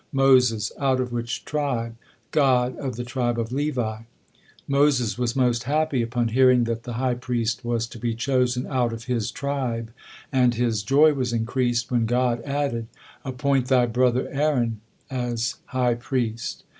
Moses: "Out of which tribe?" God: "Of the tribe of Levi." Moses was most happy upon hearing that the high priest was to be chosen out of his tribe, and his joy was increased when God added: "Appoint thy brother Aaron as high priest."